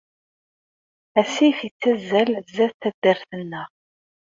Asif yettazzal sdat taddart-nneɣ.